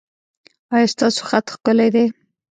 ایا ستاسو خط ښکلی دی؟